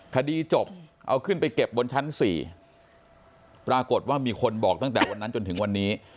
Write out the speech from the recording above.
คดีจบเอาขึ้นไปเก็บบนชั้น๔ปรากฏว่ามีคนบอกตั้งแต่วันนั้นจนถึงวันนี้